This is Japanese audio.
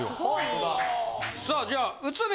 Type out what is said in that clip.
さあじゃあ内海。